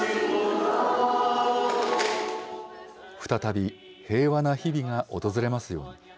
再び平和な日々が訪れますように。